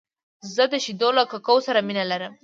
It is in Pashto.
زه د شیدو له ککو سره مینه لرم .